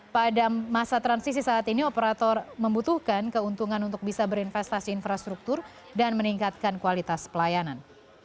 pada masa transisi saat ini operator membutuhkan keuntungan untuk bisa berinvestasi infrastruktur dan meningkatkan kualitas pelayanan